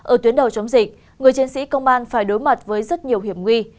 ở tuyến đầu chống dịch người chiến sĩ công an phải đối mặt với rất nhiều hiểm nguy